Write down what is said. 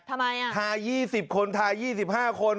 ทายี่สิบคนทายี่สิบห้าคน